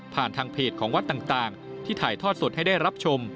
ทางเพจของวัดต่างที่ถ่ายทอดสดให้ได้รับชม